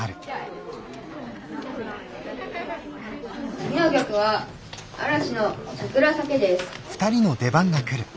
次の曲は嵐の「サクラ咲ケ」です。